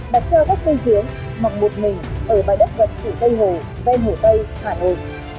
đặt cho các cây dưới mọc một mình ở bãi đất vật thụ tây hồ ven hồ tây hà nội